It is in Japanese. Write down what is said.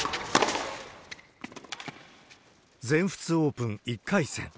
全仏オープン１回戦。